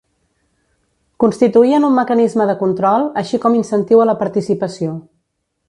Constituïen un mecanisme de control, així com incentiu a la participació.